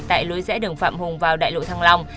tại lối rẽ đường phạm hùng vào đại lộ thăng long